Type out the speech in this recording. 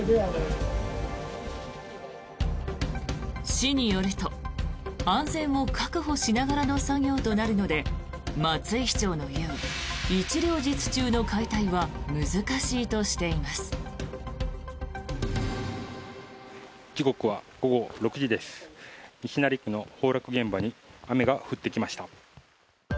市によると、安全を確保しながらの作業となるので松井市長の言う一両日中の解体は難しいとしています。